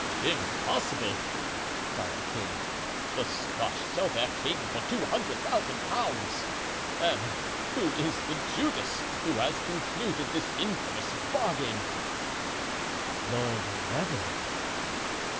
"Impossible!" cried the king, "the Scotch sell their king for two hundred thousand pounds! And who is the Judas who has concluded this infamous bargain?" "Lord Leven."